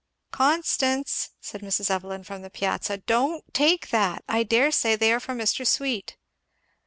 "Constance!" said Mrs. Evelyn from the piazza, "don't take that! I dare say they are for Mr. Sweet."